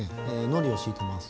のりを敷いてます。